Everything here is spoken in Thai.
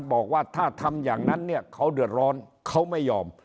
บอกว่าถ้าทำอย่างนั้นเนี่ยเขาเดือดร้อนเขาไม่ยอม